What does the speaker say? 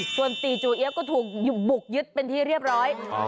ส่วนตีจูเอี๊ยบก็ถูกบุกยึดเป็นที่เรียบร้อย